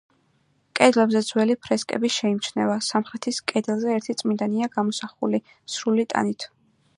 კედლებზე ძველი ფრესკები შეიმჩნევა: სამხრეთის კედელზე ერთი წმინდანია გამოსახული სრული ტანით.